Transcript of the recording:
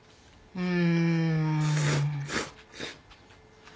うん。